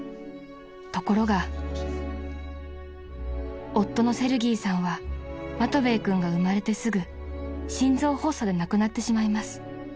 ［ところが夫のセルギーさんはマトヴェイ君が生まれてすぐ心臓発作で亡くなってしまいます］